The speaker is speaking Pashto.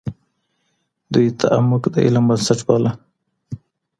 دوی تعمق د علم بنسټ باله.